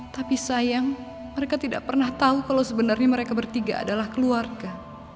tapi sayang mereka tidak pernah tau kalo sebenernya mereka bertiga adalah keluarga